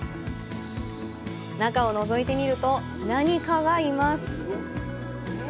中をのぞいてみると何かがいます！